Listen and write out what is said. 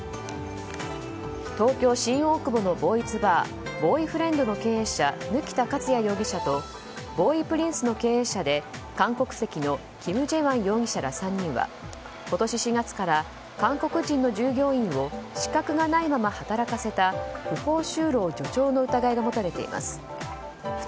東京・新大久保のボーイズバーボーイフレンドの経営者貫田勝哉容疑者とボーイプリンスの経営者で韓国籍のキム・ジェワン容疑者ら３人は今年４月から韓国人の従業員を資格がないまま働かせた不法就労助長の疑いが持たれています。